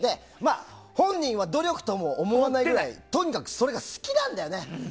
本人は努力とも思わなくてとにかくそれが好きなんだよね。